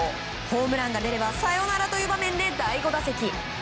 ホームランが出ればサヨナラという場面で第５打席。